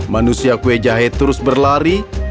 manusia kue jahe terus berlari